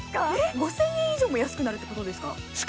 ５０００円以上も安くなるってことですか。